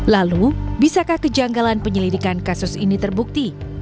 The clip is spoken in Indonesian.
lalu bisakah kejanggalan penyelidikan kasus ini terbukti